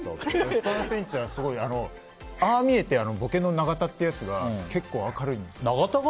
スパナペンチはすごいああ見えてボケのナガタってやつが結構明るいんですよ。